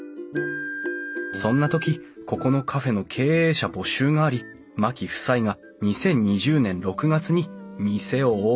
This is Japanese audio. そんな時ここのカフェの経営者募集があり牧夫妻が２０２０年６月に店をオープンした。